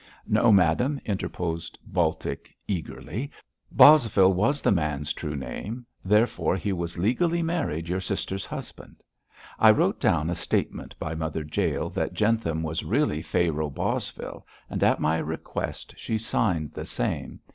'No, madam!' interposed Baltic, eagerly. 'Bosvile was the man's true name, therefore he was legally your sister's husband. I wrote down a statement by Mother Jael that Jentham was really Pharaoh Bosvile, and, at my request, she signed the same.